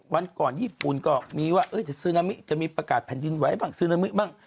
วันก่อนญี่ปุ่นก็มีว่าเอ๊ยซึนามิจะมีประกาศแผ่นดินไว้บ้าง